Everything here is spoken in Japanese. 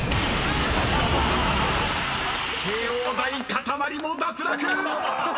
［慶應大かたまりも脱落！］